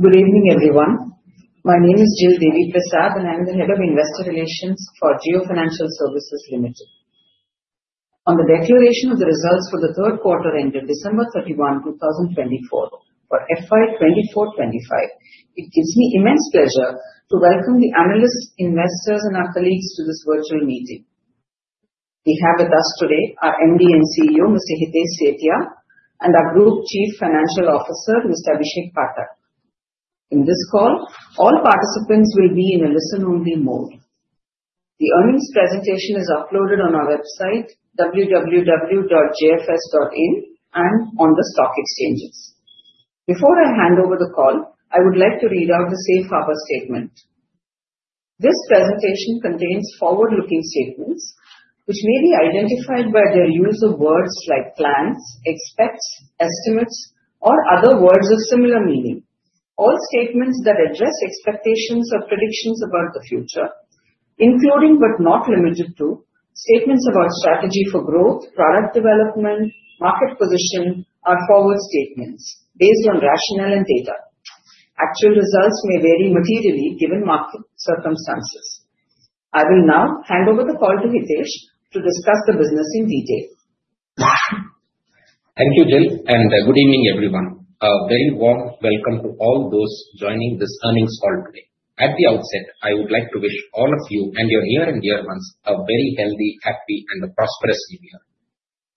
Good evening, everyone. My name is Jill Deviprasad, and I am the Head of Investor Relations for Jio Financial Services Limited. On the declaration of the results for the third quarter end of December 31, 2024, for FY 2024-25, it gives me immense pleasure to welcome the analysts, investors, and our colleagues to this virtual meeting. We have with us today our MD and CEO, Mr. Hitesh Sethia, and our Group Chief Financial Officer, Mr. Abhishek Pathak. In this call, all participants will be in a listen-only mode. The earnings presentation is uploaded on our website, www.jfs.in, and on the stock exchanges. Before I hand over the call, I would like to read out the Safe Harbor Statement. This presentation contains forward-looking statements, which may be identified by their use of words like plans, expects, estimates, or other words of similar meaning. All statements that address expectations or predictions about the future, including but not limited to statements about strategy for growth, product development, and market position, are forward statements based on rationale and data. Actual results may vary materially given market circumstances. I will now hand over the call to Hitesh to discuss the business in detail. Thank you, Jill, and good evening, everyone. A very warm welcome to all those joining this earnings call today. At the outset, I would like to wish all of you and your near and dear ones a very healthy, happy, and prosperous New Year.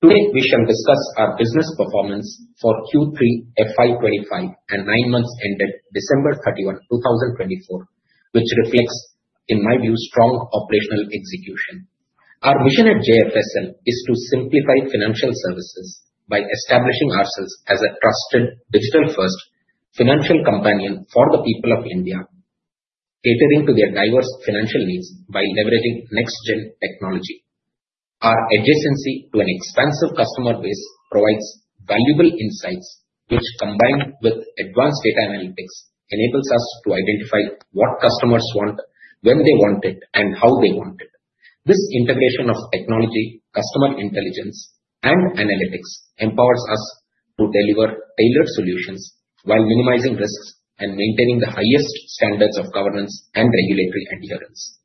Today, we shall discuss our business performance for Q3 FY 25 and nine months ended December 31, 2024, which reflects, in my view, strong operational execution. Our mission at JFSL is to simplify financial services by establishing ourselves as a trusted digital-first financial companion for the people of India, catering to their diverse financial needs by leveraging next-gen technology. Our adjacency to an expansive customer base provides valuable insights, which, combined with advanced data analytics, enables us to identify what customers want, when they want it, and how they want it. This integration of technology, customer intelligence, and analytics empowers us to deliver tailored solutions while minimizing risks and maintaining the highest standards of governance and regulatory adherence.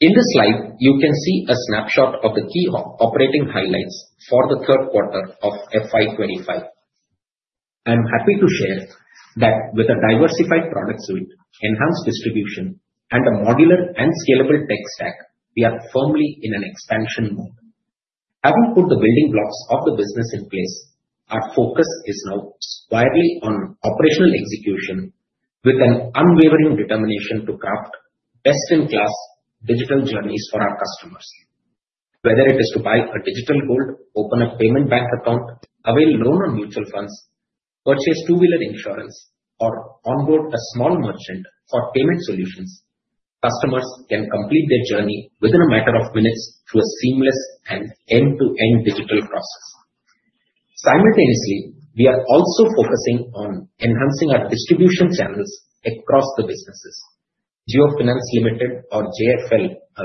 In this slide, you can see a snapshot of the key operating highlights for the third quarter of FY 25. I'm happy to share that with a diversified product suite, enhanced distribution, and a modular and scalable tech stack, we are firmly in an expansion mode. Having put the building blocks of the business in place, our focus is now squarely on operational execution, with an unwavering determination to craft best-in-class digital journeys for our customers. Whether it is to buy a digital gold, open a payment bank account, avail loan or mutual funds, purchase two-wheeler insurance, or onboard a small merchant for payment solutions, customers can complete their journey within a matter of minutes through a seamless and end-to-end digital process. Simultaneously, we are also focusing on enhancing our distribution channels across the businesses. Jio Finance Limited, or JFL,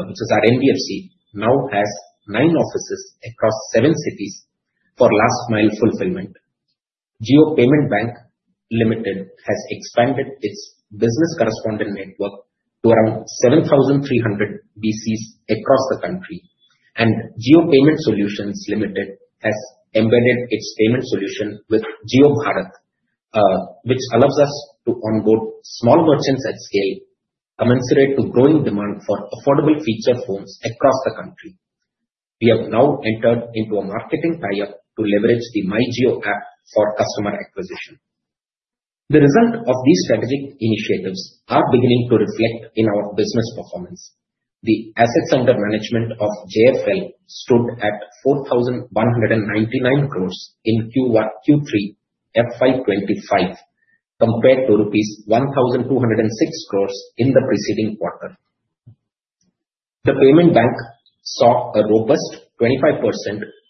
which is our NBFC, now has nine offices across seven cities for last-mile fulfillment. Jio Payments Bank Limited has expanded its business correspondent network to around 7,300 BCs across the country, and Jio Payment Solutions Limited has embedded its payment solution with JioBharat, which allows us to onboard small merchants at scale, commensurate to growing demand for affordable feature phones across the country. We have now entered into a marketing tie-up to leverage the MyJio app for customer acquisition. The result of these strategic initiatives is beginning to reflect in our business performance. The assets under management of JFL stood at ₹4,199 crores in Q3 FY 2025, compared to ₹1,206 crores in the preceding quarter. The payment bank saw a robust 25%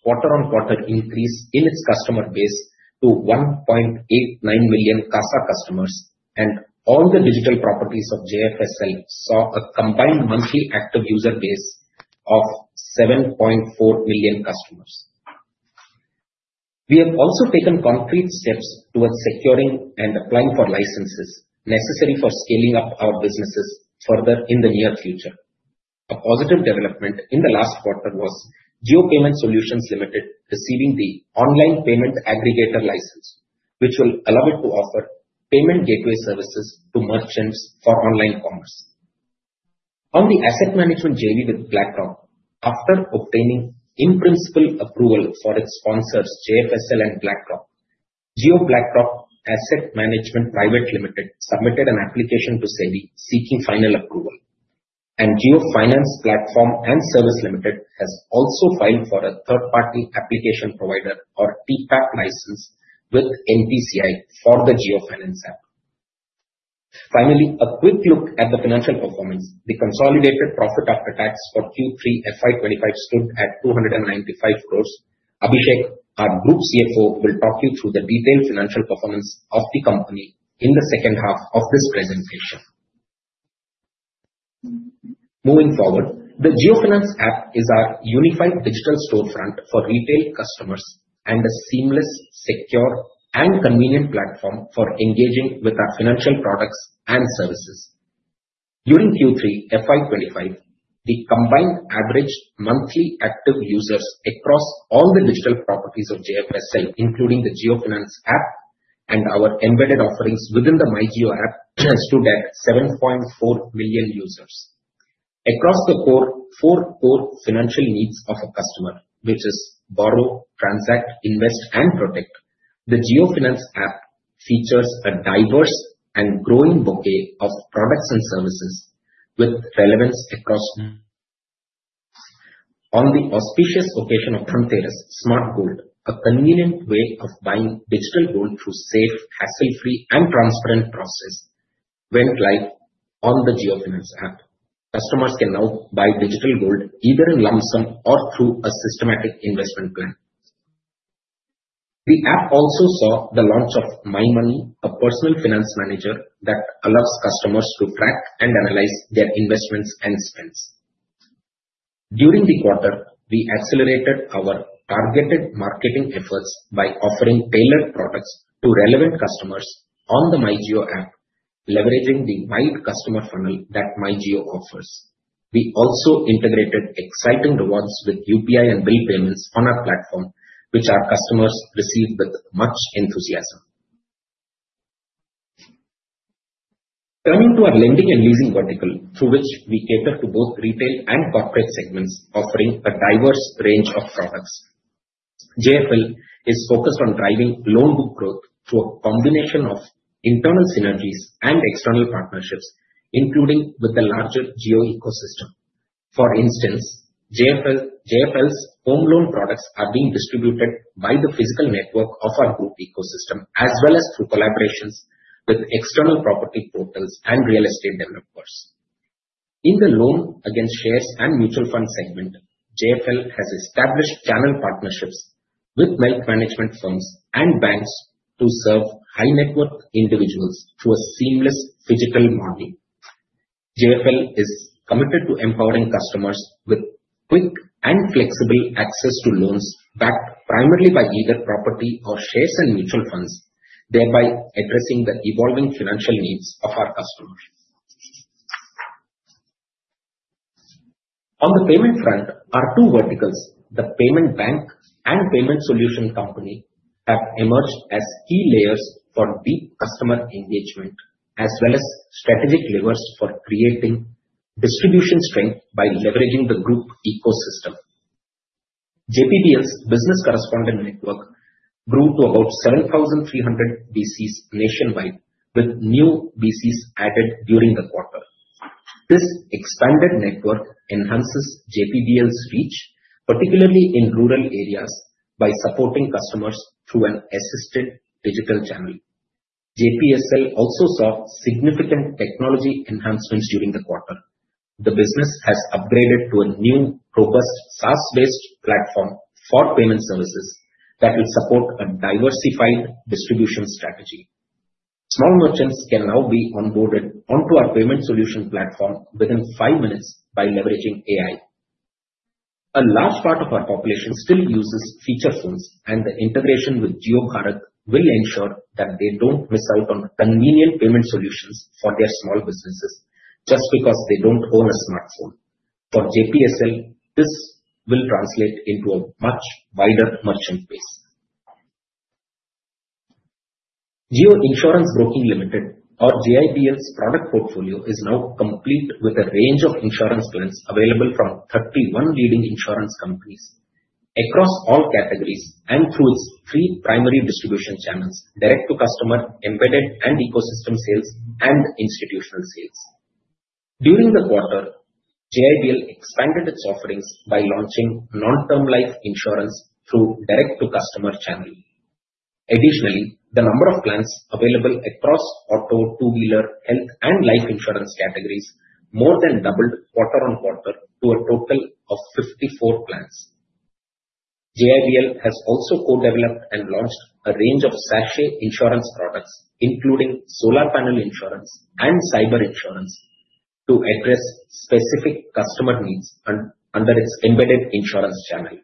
quarter-on-quarter increase in its customer base to 1.89 million CASA customers, and all the digital properties of JFSL saw a combined monthly active user base of 7.4 million customers. We have also taken concrete steps towards securing and applying for licenses necessary for scaling up our businesses further in the near future. A positive development in the last quarter was Jio Payment Solutions Limited receiving the online payment aggregator license, which will allow it to offer payment gateway services to merchants for online commerce. On the asset management journey with BlackRock, after obtaining in-principle approval for its sponsors, JFSL and BlackRock, Jio BlackRock Asset Management Private Limited submitted an application to SEBI seeking final approval, and Jio Finance Platform and Services Limited has also filed for a third-party application provider, or TPAP license, with NPCI for the JioFinance app. Finally, a quick look at the financial performance. The consolidated profit after tax for Q3 FY 25 stood at ₹295 crores. Abhishek, our Group CFO, will talk you through the detailed financial performance of the company in the second half of this presentation. Moving forward, the JioFinance app is our unified digital storefront for retail customers and a seamless, secure, and convenient platform for engaging with our financial products and services. During Q3 FY 25, the combined average monthly active users across all the digital properties of JFSL, including the JioFinance app and our embedded offerings within the MyJio app, stood at 7.4 million users. Across the four core financial needs of a customer, which are borrow, transact, invest, and protect, the JioFinance App features a diverse and growing bouquet of products and services with relevance across the auspicious occasion of Dhanteras. Smart Gold, a convenient way of buying digital gold through a safe, hassle-free, and transparent process, went live on the JioFinance App. Customers can now buy digital gold either in lump sum or through a systematic investment plan. The app also saw the launch of My Money, a personal finance manager that allows customers to track and analyze their investments and spends. During the quarter, we accelerated our targeted marketing efforts by offering tailored products to relevant customers on the My Jio app, leveraging the wide customer funnel that My Jio offers. We also integrated exciting rewards with UPI and bill payments on our platform, which our customers received with much enthusiasm. Turning to our lending and leasing vertical, through which we cater to both retail and corporate segments, offering a diverse range of products, JFL is focused on driving loan book growth through a combination of internal synergies and external partnerships, including with the larger Jio ecosystem. For instance, JFL's home loan products are being distributed by the physical network of our group ecosystem, as well as through collaborations with external property portals and real estate developers. In the loan against shares and mutual fund segment, JFL has established channel partnerships with wealth management firms and banks to serve high-net-worth individuals through a seamless physical model. JFL is committed to empowering customers with quick and flexible access to loans backed primarily by either property or shares and mutual funds, thereby addressing the evolving financial needs of our customers. On the payment front, our two verticals, the payment bank and payment solution company, have emerged as key layers for deep customer engagement, as well as strategic levers for creating distribution strength by leveraging the group ecosystem. JPBL's business correspondent network grew to about 7,300 BCs nationwide, with new BCs added during the quarter. This expanded network enhances JPBL's reach, particularly in rural areas, by supporting customers through an assisted digital channel. JPSL also saw significant technology enhancements during the quarter. The business has upgraded to a new, robust SaaS-based platform for payment services that will support a diversified distribution strategy. Small merchants can now be onboarded onto our payment solution platform within five minutes by leveraging AI. A large part of our population still uses feature phones, and the integration with JioBharat will ensure that they don't miss out on convenient payment solutions for their small businesses just because they don't own a smartphone. For JPSL, this will translate into a much wider merchant base. Jio Insurance Broking Limited, or JIBL's product portfolio, is now complete with a range of insurance plans available from 31 leading insurance companies across all categories and through its three primary distribution channels: direct-to-customer, embedded, and ecosystem sales, and institutional sales. During the quarter, JIBL expanded its offerings by launching non-term life insurance through the direct-to-customer channel. Additionally, the number of plans available across auto, two-wheeler, health, and life insurance categories more than doubled quarter-on-quarter to a total of 54 plans. JIBL has also co-developed and launched a range of sachet insurance products, including solar panel insurance and cyber insurance, to address specific customer needs under its embedded insurance channel.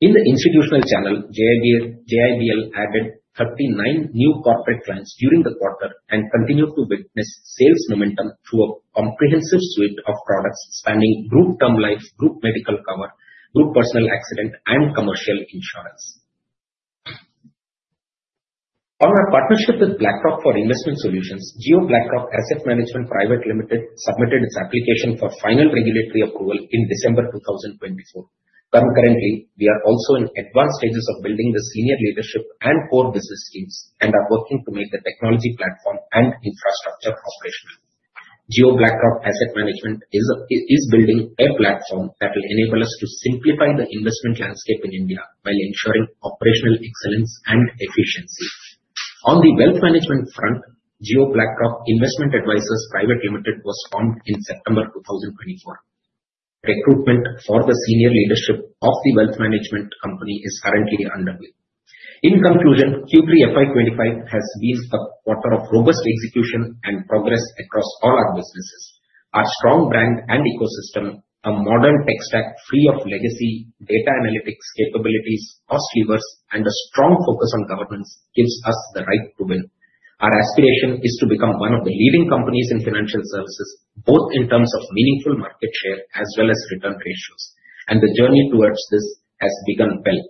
In the institutional channel, JIBL added 39 new corporate plans during the quarter and continued to witness sales momentum through a comprehensive suite of products spanning group term life, group medical cover, group personal accident, and commercial insurance. On our partnership with BlackRock for investment solutions, Jio BlackRock Asset Management Private Limited submitted its application for final regulatory approval in December 2024. Currently, we are also in advanced stages of building the senior leadership and core business teams and are working to make the technology platform and infrastructure operational. Jio BlackRock Asset Management is building a platform that will enable us to simplify the investment landscape in India while ensuring operational excellence and efficiency. On the wealth management front, Jio BlackRock Investment Advisors Private Limited was formed in September 2024. Recruitment for the senior leadership of the wealth management company is currently underway. In conclusion, Q3 FY 25 has been a quarter of robust execution and progress across all our businesses. Our strong brand and ecosystem, a modern tech stack free of legacy data analytics capabilities, cost levers, and a strong focus on governance gives us the right to win. Our aspiration is to become one of the leading companies in financial services, both in terms of meaningful market share as well as return ratios, and the journey towards this has begun well.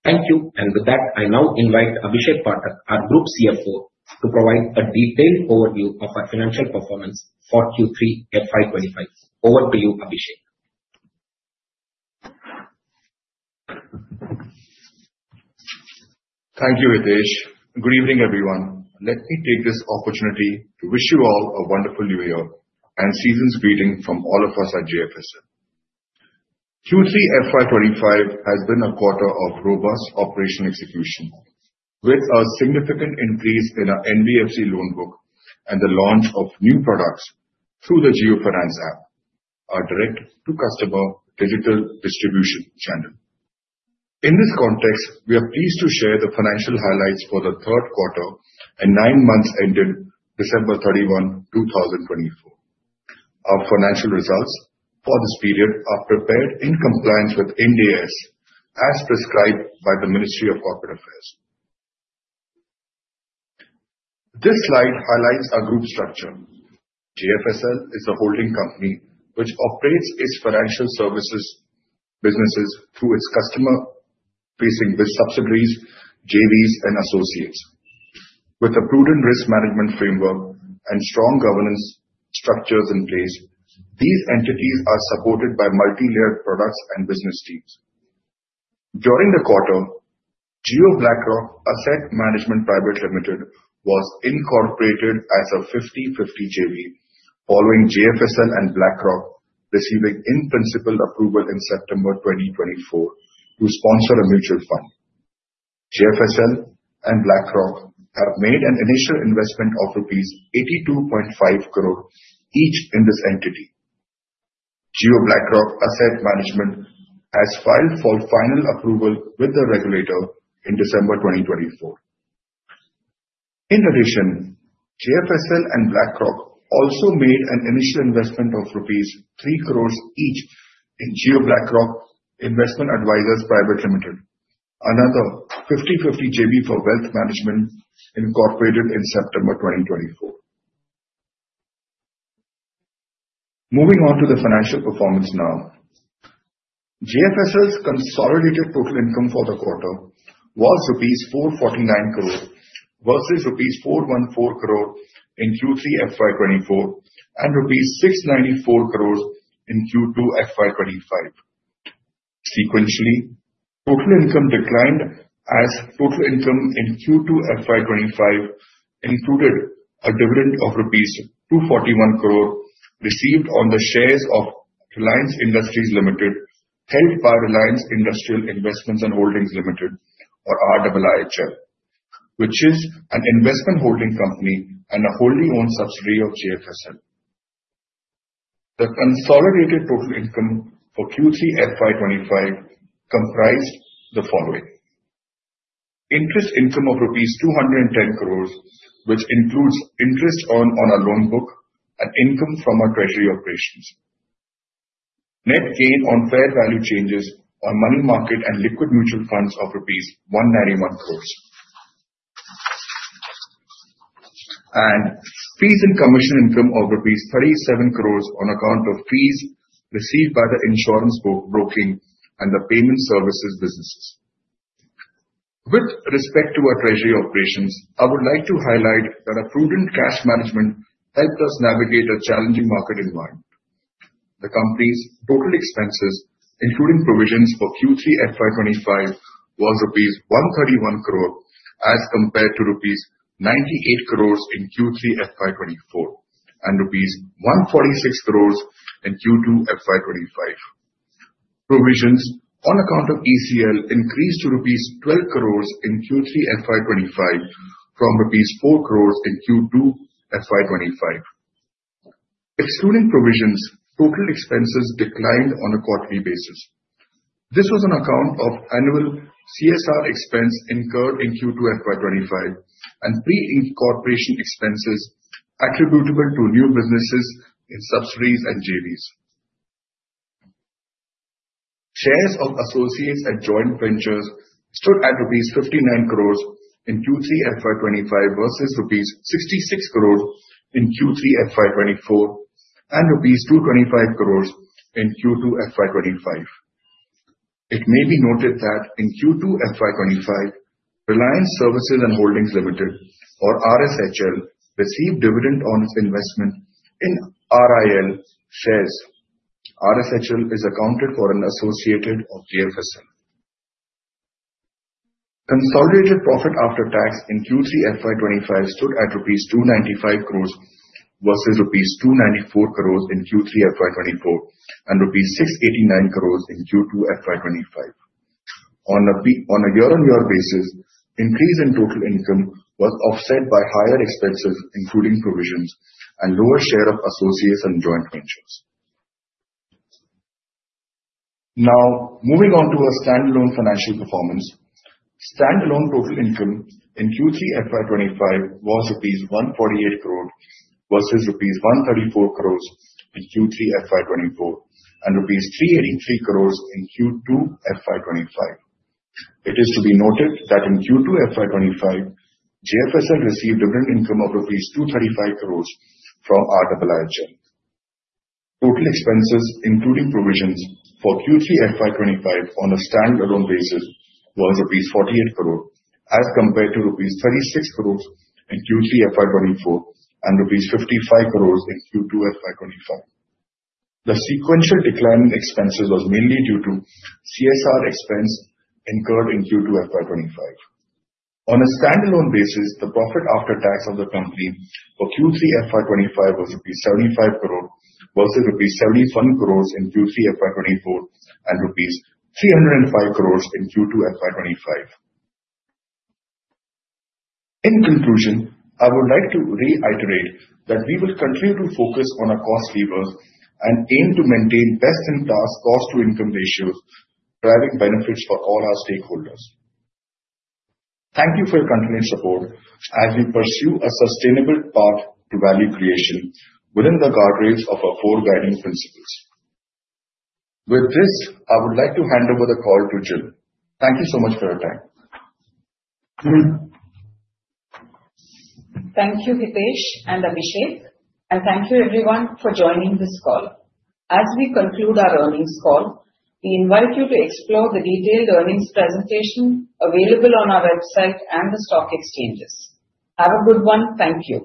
Thank you, and with that, I now invite Abhishek Pathak, our Group CFO, to provide a detailed overview of our financial performance for Q3 FY 25. Over to you, Abhishek. Thank you, Hitesh. Good evening, everyone. Let me take this opportunity to wish you all a wonderful New Year and season's greetings from all of us at JFSL. Q3 FY 25 has been a quarter of robust operational execution, with a significant increase in our NBFC loan book and the launch of new products through the JioFinance app, our direct-to-customer digital distribution channel. In this context, we are pleased to share the financial highlights for the third quarter, and nine months ended December 31, 2024. Our financial results for this period are prepared in compliance with Ind AS, as prescribed by the Ministry of Corporate Affairs. This slide highlights our group structure. JFSL is a holding company which operates its financial services businesses through its customer-facing subsidiaries, JVs, and associates. With a prudent risk management framework and strong governance structures in place, these entities are supported by multi-layered products and business teams. During the quarter, Jio BlackRock Asset Management Private Limited was incorporated as a 50/50 JV, following JFSL and BlackRock receiving in-principle approval in September 2024 to sponsor a mutual fund. JFSL and BlackRock have made an initial investment of INR 82.5 crore each in this entity. Jio BlackRock Asset Management has filed for final approval with the regulator in December 2024. In addition, JFSL and BlackRock also made an initial investment of rupees three crore each in Jio BlackRock Investment Advisors Private Limited, another 50/50 JV for Wealth Management Incorporated in September 2024. Moving on to the financial performance now, JFSL's consolidated total income for the quarter was 449 crore versus rupees 414 crore in Q3 FY 24 and rupees 694 crore in Q2 FY 25. Sequentially, total income declined as total income in Q2 FY 25 included a dividend of ₹241 crore received on the shares of Reliance Industries Limited, held by Reliance Industrial Investments and Holdings Limited, or RIIHL, which is an investment holding company and a wholly owned subsidiary of JFSL. The consolidated total income for Q3 FY 25 comprised the following: interest income of ₹210 crore, which includes interest earned on our loan book and income from our treasury operations, net gain on fair value changes on money market and liquid mutual funds of ₹191 crore, and fees and commission income of ₹37 crore on account of fees received by the insurance broking and the payment services businesses. With respect to our treasury operations, I would like to highlight that a prudent cash management helped us navigate a challenging market environment. The company's total expenses, including provisions for Q3 FY 25, was ₹131 crore as compared to ₹98 crore in Q3 FY 24 and ₹146 crore in Q2 FY 25. Provisions on account of ECL increased to ₹12 crore in Q3 FY 25 from ₹4 crore in Q2 FY 25. Excluding provisions, total expenses declined on a quarterly basis. This was on account of annual CSR expense incurred in Q2 FY 25 and pre-incorporation expenses attributable to new businesses in subsidiaries and JVs. Shares of associates and joint ventures stood at ₹59 crore in Q3 FY 25 versus ₹66 crore in Q3 FY 24 and ₹225 crore in Q2 FY 25. It may be noted that in Q2 FY 25, Reliance Services and Holdings Limited, or RSHL, received dividend on its investment in RIL shares. RSHL is accounted for as an associate of JFSL. Consolidated profit after tax in Q3 FY 25 stood at ₹295 crore versus ₹294 crore in Q3 FY 24 and ₹689 crore in Q2 FY 25. On a year-on-year basis, increase in total income was offset by higher expenses, including provisions, and lower share of associates and joint ventures. Now, moving on to our standalone financial performance, standalone total income in Q3 FY 25 was ₹148 crore versus ₹134 crore in Q3 FY 24 and ₹383 crore in Q2 FY 25. It is to be noted that in Q2 FY 25, JFSL received dividend income of ₹235 crore from RIIHL. Total expenses, including provisions for Q3 FY 25 on a standalone basis, was ₹48 crore as compared to ₹36 crore in Q3 FY 24 and ₹55 crore in Q2 FY 25. The sequential decline in expenses was mainly due to CSR expense incurred in Q2 FY 25. On a standalone basis, the profit after tax of the company for Q3 FY 25 was INR 75 crore versus INR 71 crore in Q3 FY 24 and INR 305 crore in Q2 FY 25. In conclusion, I would like to reiterate that we will continue to focus on our cost levers and aim to maintain best-in-class cost-to-income ratios, driving benefits for all our stakeholders. Thank you for your continued support as we pursue a sustainable path to value creation within the guardrails of our four guiding principles. With this, I would like to hand over the call to Jill. Thank you so much for your time. Thank you, Hitesh and Abhishek, and thank you everyone for joining this call. As we conclude our earnings call, we invite you to explore the detailed earnings presentation available on our website and the stock exchanges. Have a good one. Thank you.